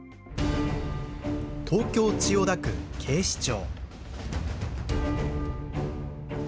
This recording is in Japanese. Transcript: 東京・千代田区、警視庁。